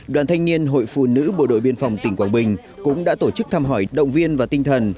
đoàn thanh niên hội phụ nữ bộ đội biên phòng tỉnh quảng bình cũng đã tổ chức thăm hỏi động viên và tinh thần